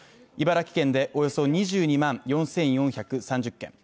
茨城県でおよそ２２万４４３０軒